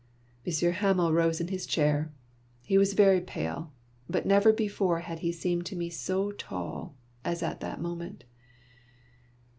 Monsieur Hamel rose in his chair. He was very pale, but never before had he seemed to me so tall as at that moment.